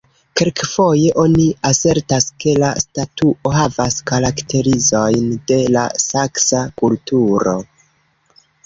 Kelkfoje oni asertas ke la statuo havas karakterizojn de la saksa kulturo.